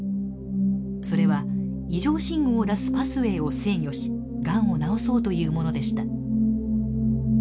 それは異常信号を出すパスウェーを制御しがんを治そうというものでした。